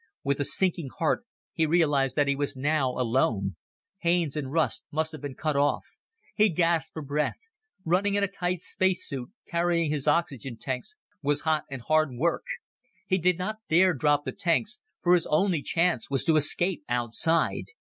With a sinking heart, he realized that he was now alone. Haines and Russ must have been cut off. He gasped for breath. Running in a tight space suit, carrying his oxygen tanks, was hot and hard work. He did not dare drop the tanks, for his only chance was to escape outside.